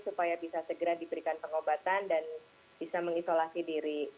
supaya bisa segera diberikan pengobatan dan bisa mengisolasi diri